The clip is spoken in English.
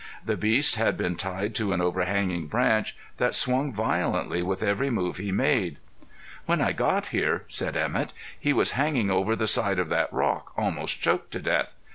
The beast had been tied to an overhanging branch that swung violently with every move he made. "When I got here," said Emett, "he was hanging over the side of that rock, almost choked to death.